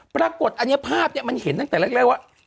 ปรากฏอันนี้ภาพเนี่ยมันเห็นตั้งแต่แรกว่า